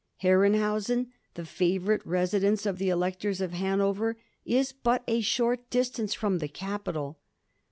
Herrenhausen, the favourite residence of the Electors of Hanover, is but a short distance fix)m the capital.